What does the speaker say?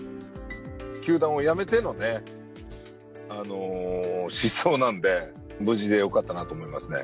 球団を辞めての失踪なんで、無事でよかったなと思いますね。